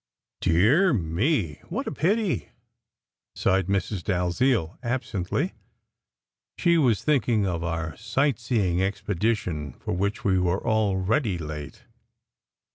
"Dear me, what a pity!" sighed Mrs. Dalziel absently. She was thinking of our sight seeing expedition for which we were already late.